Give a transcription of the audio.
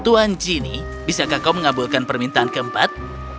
tuan geni bisakah kau mengabulkan permintaan keempat